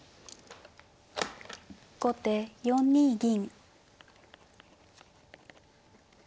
後手４二銀。